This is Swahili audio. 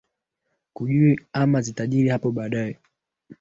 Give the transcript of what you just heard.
kujiri ama zitajiri hapo baadaye